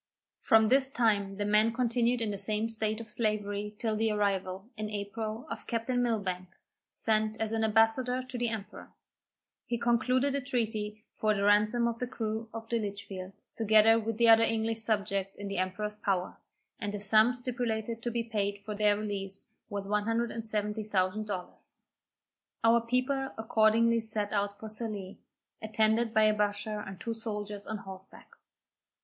From this time the men continued in the same state of slavery till the arrival, in April, of Captain Milbank, sent as an ambassador to the emperor. He concluded a treaty for the ransom of the crew of the Litchfield, together with the other English subjects in the emperor's power, and the sum stipulated to be paid for their release, was 170,000 dollars. Our people accordingly set out for Sallee, attended by a bashaw and two soldiers on horseback.